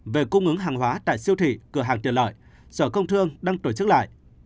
về cung ứng hàng hóa tại siêu thị cửa hàng tiện lợi sở công thương đang tổ chức lại